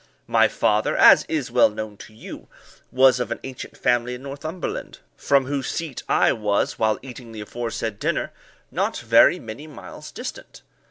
My father, as is well known to you, was of an ancient family in Northumberland, from whose seat I was, while eating the aforesaid dinner, not very many miles distant.